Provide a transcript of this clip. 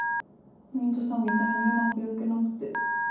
ミントさんみたいにうまく焼けなくて。